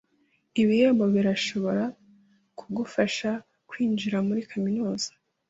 Ibihembo birashobora kugufasha kwinjira muri kaminuza.